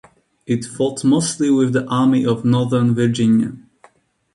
It fought mostly with the Army of Northern Virginia.